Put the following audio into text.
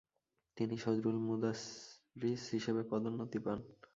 তিনি সদরুল মুদাররিস হিসেবে পদোন্নতি পান।